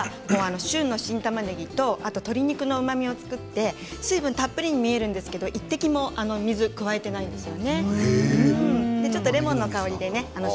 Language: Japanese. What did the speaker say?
旬の新たまねぎと鶏肉のうまみを使って水分たっぷりに見えるんですけれども水は１滴も加えていないんですね。